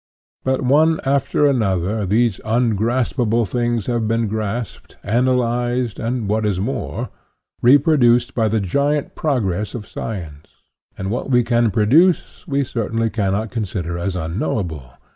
But one after another these ungraspable things have been grasped, analyzed, and, what is more, reproduced by the giant progress of science; and what we can produce, we certainly cannot consider as unknowable.